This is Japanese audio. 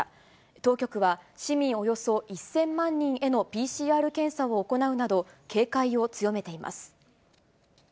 当局は市民およそ１０００万人へのＰＣＲ検査を行うなど、警戒を強めています。